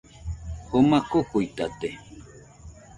Joma kokuitate